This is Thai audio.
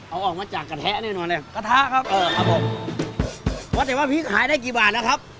เอาออกมาจากกระแทะแน่นอนเลยกระทะครับเอ่อครับผมว่าแต่ว่าพริกหายได้กี่บาทนะครับ